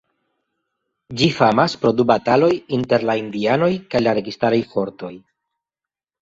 Ĝi famas pro du bataloj inter la indianoj kaj la registaraj fortoj.